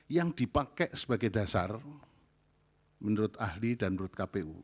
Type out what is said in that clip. yang dipakai sebagai dasar menurut ahli dan menurut kpu